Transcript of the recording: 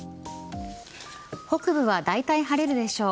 北部はだいたい晴れるでしょう。